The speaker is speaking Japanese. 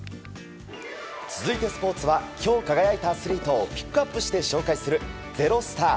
続いてスポーツは今日、輝いたアスリートをピックアップして紹介する「＃ｚｅｒｏｓｔａｒ」。